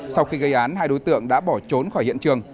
sau khi gây án hai đối tượng đã bỏ trốn khỏi hiện trường